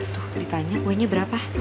tuh ditanya kuenya berapa